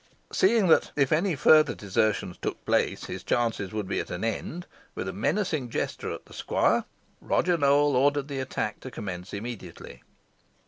Seeing that, if any further desertions took place, his chances would be at an end, with a menacing gesture at the squire, Roger Nowell ordered the attack to commence immediately.